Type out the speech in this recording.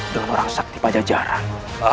dengan orang sakti pajajaran